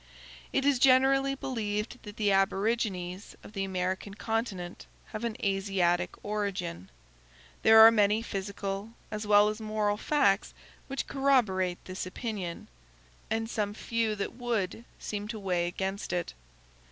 It is generally believed that the Aborigines of the American continent have an Asiatic origin. There are many physical as well as moral facts which corroborate this opinion, and some few that would seem to weigh against it.